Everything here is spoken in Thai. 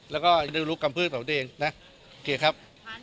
แล้วก็ได้รู้กำพืชของตัวเองนะโอเคครับ